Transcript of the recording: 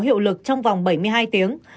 hiệu lực trong vòng bảy mươi hai tiếng